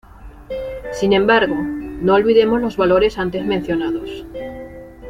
Sin embargo, no olvidemos los valores antes mencionados.